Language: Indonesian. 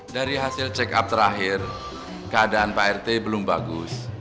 dari hasil check up terakhir keadaan pak rt belum bagus